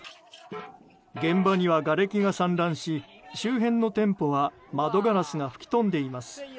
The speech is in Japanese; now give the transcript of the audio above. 現場には、がれきが散乱し周辺の店舗は窓ガラスが吹き飛んでいます。